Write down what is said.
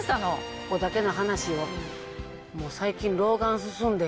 ここだけの話よもう最近。